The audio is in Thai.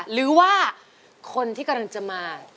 หรือว่าคนที่กำลังจะมา